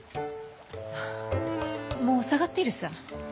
もう下がっているさ。